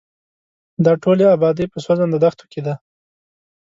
دا ټولې ابادۍ په سوځنده دښتو کې دي.